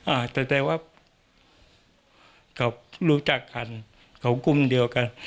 อ่าแต่แต่ว่าเขารู้จักกันเขากลุ่มเดียวกัน